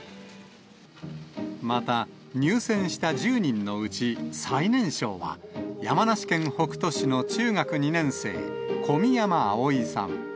また、入選した１０人のうち、最年少は、山梨県北杜市の中学２年生、小宮山あおいさん。